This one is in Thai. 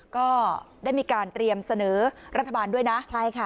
ก็ได้มีการเตรียมเสนอรัฐบาลด้วยนะใช่ค่ะ